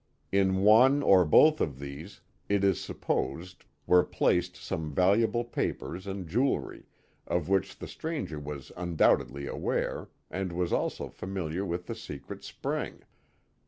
In one or both of these, it h supposed, were placed some valuable papers and jewelry, of which the stranger was undoubtedly aware, and was also familiar with the secret spring.